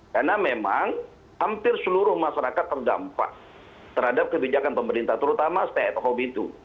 karena memang hampir seluruh masyarakat terdampak terhadap kebijakan pemerintah terutama stetokob itu